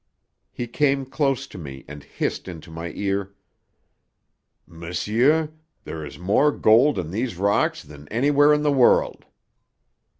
He came close to me and hissed into my ear: "Monsieur, there is more gold in these rocks than anywhere in the world!